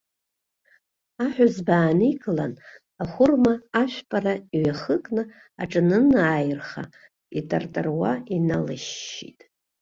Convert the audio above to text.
Аҳәызба ааникылан, ахәырма ашәпара иҩахыкны аҿанынаирха, итартаруа иналашьшьит.